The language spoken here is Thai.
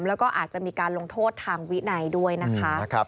แล้วก็อาจจะมีการลงโทษทางวินัยด้วยนะคะ